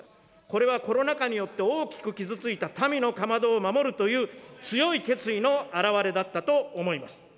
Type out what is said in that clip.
これは、コロナ禍によって大きく傷ついた民のかまどを守るという強い決意の表れだったと思います。